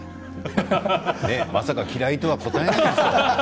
まさか嫌いとは答えないでしょう。